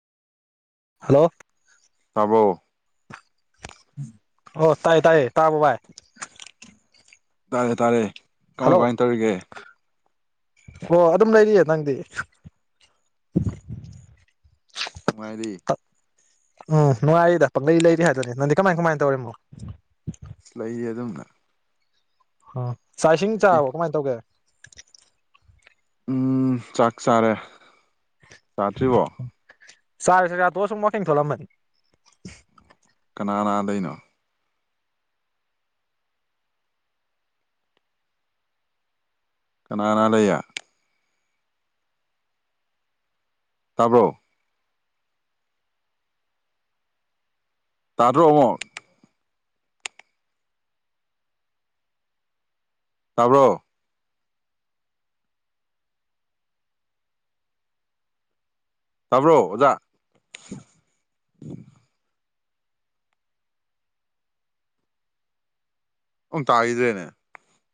hello ꯇꯥꯕ꯭ꯔ‌ꯣ ꯑꯣ ꯇꯥꯏꯌꯦ ꯇꯥꯏꯌꯦ ꯇꯥꯕ꯭ꯔ‌ꯣ ꯕꯥꯥꯏ ꯇꯥꯔꯦ ꯇꯥꯔꯦ ꯀꯃꯥꯏ ꯍꯜꯂꯣ ꯀꯃꯥꯏꯅ ꯇꯧꯔꯤꯒꯦ ꯑꯣ ꯑꯗꯨꯝ ꯂꯩꯔꯤꯌꯦ ꯅꯪꯗꯤ ꯅꯨꯡꯉꯥꯏꯔꯤ ꯎꯝ ꯅꯨꯡꯉꯥꯏꯔꯤꯗ ꯄꯪꯂꯩ ꯂꯩꯔꯤ ꯍꯥꯏꯗꯨꯅꯤ ꯅꯪꯗꯤ ꯀꯃꯥꯏ ꯀꯃꯥꯏꯅ ꯇꯧꯔꯤꯝꯅꯣ ꯂꯩꯔꯤ ꯑꯗꯨꯝꯅ ꯍ‌ꯣ ꯆꯥꯛ ꯏꯁꯤꯡ ꯂꯩꯔꯤ ꯆꯥꯔꯕꯣ ꯀꯃꯥꯏꯅ ꯇꯧꯒꯦ ꯎꯝ ꯆꯥꯛ ꯆꯥꯔꯦ ꯆꯥꯗ꯭ꯔꯤꯕꯣ ꯆꯥꯔ‌ꯦ ꯆꯥꯛ ꯆꯥ ꯇ‌ꯣꯛꯑ ꯁꯨꯝ ꯋꯥꯀꯤꯡ ꯊ‌ꯣꯂꯝꯕꯅꯤ ꯀꯅꯥ ꯀꯅꯥ ꯂꯩꯅꯣ ꯀꯅꯥ ꯀꯅꯥ ꯂꯩꯌ‌ꯦ ꯇꯥꯕ꯭ꯔꯣ ꯇꯥꯗ꯭ꯔꯣ ꯑꯃꯨꯛ ꯇꯥꯕ꯭ꯔꯣ ꯇꯥꯕ꯭ꯔꯣ ꯑꯣꯖꯥ ꯑꯧꯝ ꯇꯥꯒꯤꯗ꯭ꯔꯦꯅꯦ